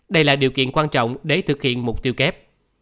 đây là điều kiện quan trọng để thực hiện mục tiêu kép